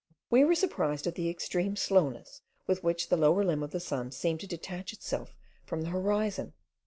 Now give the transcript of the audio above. We were surprised at the extreme slowness with which the lower limb of the sun seemed to detach itself from the horizon.